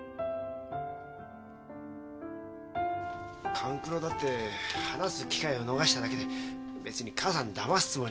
勘九郎だって話す機会を逃しただけで別に母さんだますつもりなんか。